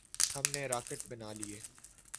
ہم نے راکٹ بنا لیے۔